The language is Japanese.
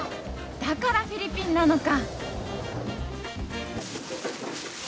だからフィリピンなのか！